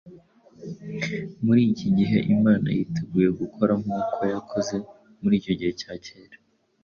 muri iki gihe Imana yiteguye gukora nk’uko yakoze muri icyo gihe cya kera.